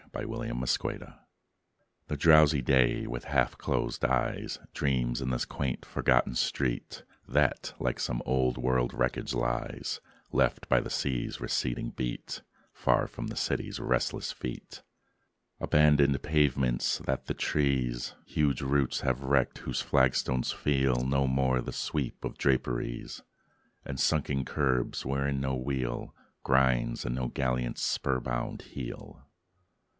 A STREET OF GHOSTS The drowsy day, with half closed eyes, Dreams in this quaint forgotten street, That, like some old world wreckage lies, Left by the sea's receding beat, Far from the city's restless feet. Abandoned pavements, that the trees' Huge roots have wrecked; whose flagstones feel No more the sweep of draperies; And sunken curbs, whereon no wheel Grinds, and no gallant's spur bound heel.